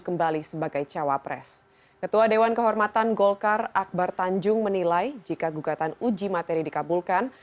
ketua dewan kehormatan golkar akbar tanjung menilai jika gugatan uji materi dikabulkan